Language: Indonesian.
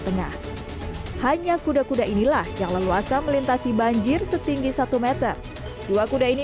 tengah hanya kuda kuda inilah yang leluasa melintasi banjir setinggi satu meter dua kuda ini